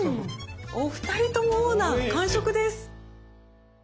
お二人ともオーナー完食です。